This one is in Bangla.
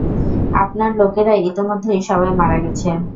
আপনার লোকেরা ইতোমধ্যেই সবাই মারা গেছে।